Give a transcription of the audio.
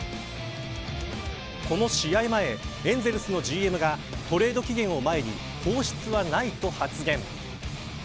この試合前、エンゼルスのＧＭがトレード期限を前に放出はないと発言。